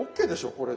これで。